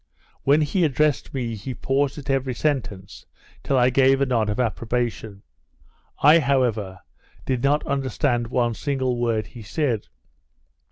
When he addressed me, he paused at every sentence, till I gave a nod of approbation. I, however, did not understand one single word he said.